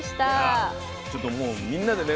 いやちょっともうみんなでね